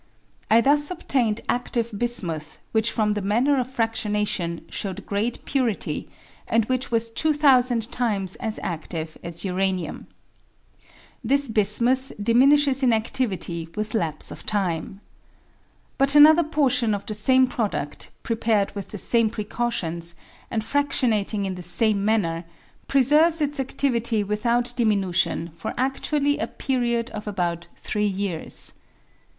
I thus obtamed adive bismuth which from the manner of fradionation showed great purity and which was 2000 times as adive as uranium. This bismuth diminishes in adivity with lapse of time. But another portion of the same produd, pre pared with the same precautions, and fradionating in the same manner, preserves its adivity without diminution for adually a period of about three years.